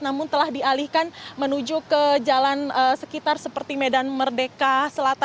namun telah dialihkan menuju ke jalan sekitar seperti medan merdeka selatan